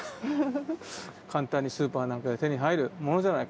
簡単にスーパーなんかで手に入るものじゃないか